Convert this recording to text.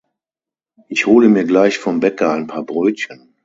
Ich hole mir gleich vom Bäcker ein paar Brötchen.